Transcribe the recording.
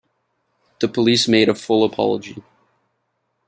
The police made a full apology.